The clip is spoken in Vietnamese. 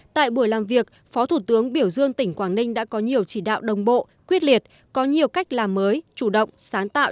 tại buổi làm việc phó thủ tướng biểu dương tỉnh quảng ninh đã có nhiều chỉ đạo đồng bộ quyết liệt có nhiều cách làm mới chủ động sáng tạo